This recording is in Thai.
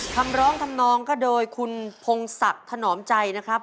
คำร้องทำนองก็โดยคุณพงศักดิ์ถนอมใจนะครับ